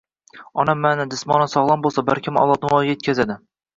Ona ma’nan, jismonan sog‘lom bo‘lsa, barkamol avlodni voyaga yetkazadi.